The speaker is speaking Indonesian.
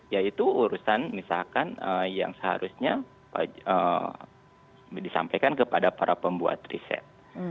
yaitu urusan misalkan yang seharusnya disampaikan kepada para pembuat riset